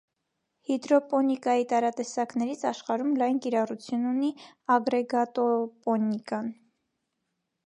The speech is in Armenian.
Հիդրոպոնիկայի տարատեսակներից աշխարհում լայն կիրառություն ունի ագրեգատոպոնիկան։